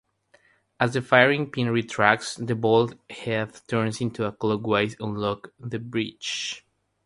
As the firing pin retracts, the bolt head turns anti-clockwise unlocking the breech.